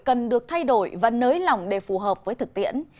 cần được thay đổi và nới lỏng để phù hợp với thực tiễn